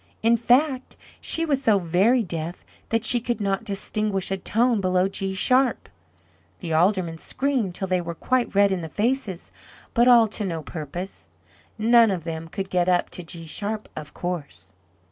In fact, she was so very deaf that she could not distinguish a tone below G sharp. The Aldermen screamed till they were quite red in the faces, but all to no purpose: none of them could get up to G sharp of course.